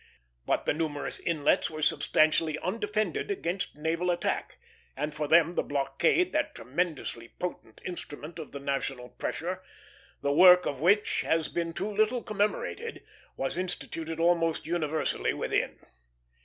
But the numerous inlets were substantially undefended against naval attack; and for them the blockade, that tremendously potent instrument of the national pressure, the work of which has been too little commemorated, was instituted almost universally within.